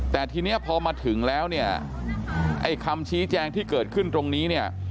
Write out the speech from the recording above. แต่ทีนี้พอมาถึงแล้วคำชี้แจงที่เกิดขึ้นตรงนี้